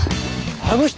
あの人！